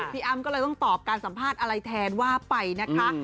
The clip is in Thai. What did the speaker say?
พี่อ้ำก็เลยต้องตอบการสัมภาษณ์อะไรแทนว่าไปนะคะ